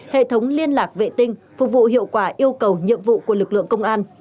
hệ thống liên lạc vệ tinh phục vụ hiệu quả yêu cầu nhiệm vụ của lực lượng công an